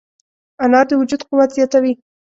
انار د وجود قوت زیاتوي.